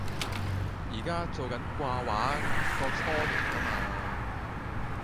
而家做緊掛畫個雛形吖嘛